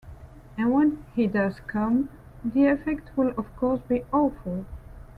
And when he does come, the effect will of course be - awful.